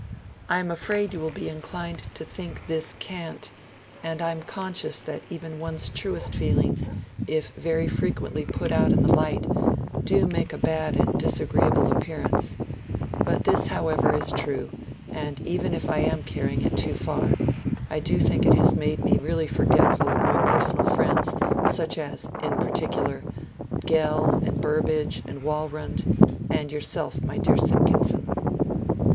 I am afraid you will be inclined to think this "cant" and I am conscious that even one's truest feelings, if very frequently put out in the light, do make a bad and disagreeable appearance; but this, however, is true, and even if I am carrying it too far, I do not think it has made me really forgetful of my personal friends, such as, in particular, Gell and Burbidge and Walrond, and yourself, my dear Simpkinson.'